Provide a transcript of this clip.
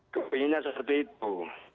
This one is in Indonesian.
kepinginnya seperti itu